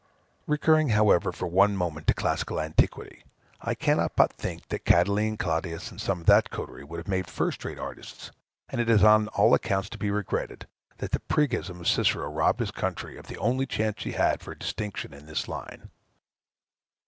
Recurring, however, for one moment to classical antiquity, I cannot but think that Catiline, Clodius, and some of that coterie, would have made first rate artists; and it is on all accounts to be regretted, that the priggism of Cicero robbed his country of the only chance she had for distinction in this line.